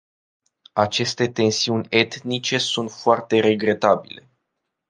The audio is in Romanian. Aceste tensiuni etnice sunt foarte regretabile.